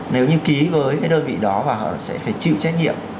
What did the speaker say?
nếu như ký với cái đơn vị đó và họ sẽ phải chịu trách nhiệm